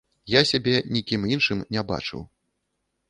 Я сябе нікім іншым не бачыў.